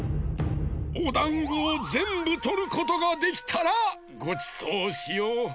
おだんごをぜんぶとることができたらごちそうしよう！